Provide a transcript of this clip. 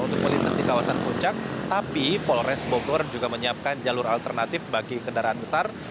untuk melintas di kawasan puncak tapi polres bogor juga menyiapkan jalur alternatif bagi kendaraan besar